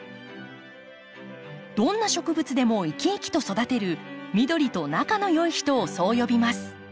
どんな植物でも生き生きと育てる緑と仲の良い人をそう呼びます。